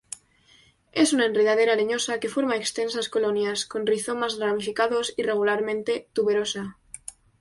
Es una enredadera leñosa que forma extensas colonias, con rizomas ramificados irregularmente, tuberosa.